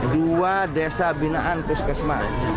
dua desa binaan puskesma